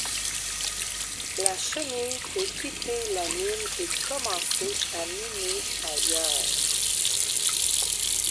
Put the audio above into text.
La chenille peut quitter la mine et commencer à miner ailleurs.